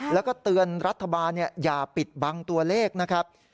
แล้วก็เตือนรัฐบาลอย่าปิดบังตัวเลขนะครับ